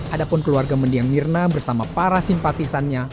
adapun keluarga mendiang mirna bersama para simpatisannya